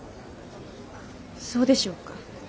そうでしょうか？